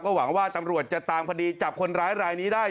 หวังว่าตำรวจจะตามพอดีจับคนร้ายรายนี้ได้